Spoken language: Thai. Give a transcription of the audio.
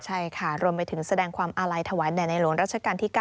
ใช่ค่ะรวมไปถึงแสดงความอาลัยถวายแด่ในหลวงรัชกาลที่๙